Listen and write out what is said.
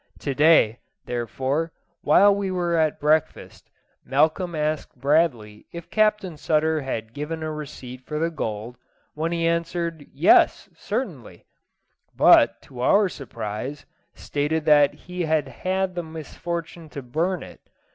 To day, therefore, while we were at breakfast, Malcolm asked Bradley if Captain Sutter had given a receipt for the gold, when he answered "Yes, certainly;" but, to our surprise, stated that he had had the misfortune to burn it.